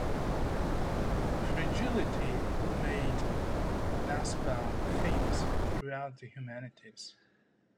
"Fragility" made Nussbaum famous throughout the humanities.